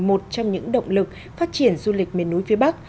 một trong những động lực phát triển du lịch miền núi phía bắc